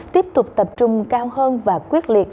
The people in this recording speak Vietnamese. tiếp tục tập trung cao hơn và quyết liệt